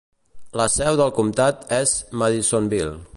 La seu del comtat és Madisonville.